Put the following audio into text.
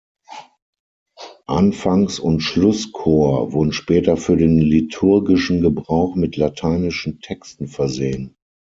Anfangs- und Schlusschor wurden später für den liturgischen Gebrauch mit lateinischen Texten versehen.